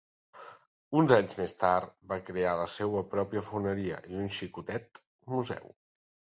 Uns anys més tard, va crear la seua pròpia foneria i un xicotet museu.